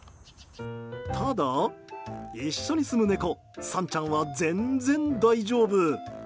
ただ、一緒に住む猫さんちゃんは全然大丈夫。